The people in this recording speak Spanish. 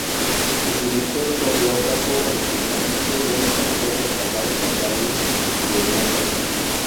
El director y coreógrafo original Joe Layton fue reemplazado por daños de una caída.